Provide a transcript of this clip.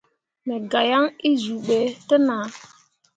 Me gah yaŋ azuu ɓe te nah.